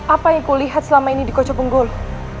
apa yang kulihat selama ini di kocobonggolo